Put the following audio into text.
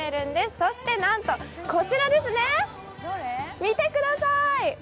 そしてなんとこちらですね、見てください。